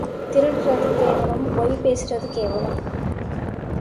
திருடறது கேவலம் பொய் பேசறது கேவலம்!